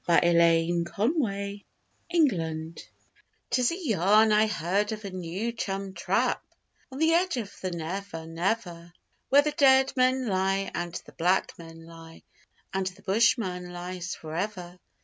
A LITTLE MISTAKE 'Tis a yarn I heard of a new chum 'trap' On the edge of the Never Never, Where the dead men lie and the black men lie, And the bushman lies for ever.